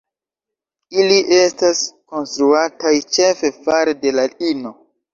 Ili estas konstruataj ĉefe fare de la ino.